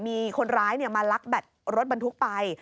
มีคนร้ายมาลักแบตรถบรรทุกไป